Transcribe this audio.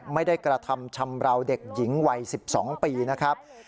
ไม่ได้กระทำชำราวเด็กหญิงวัย๑๒ปีนะครับ